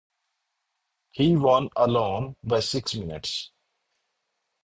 He won alone by six minutes.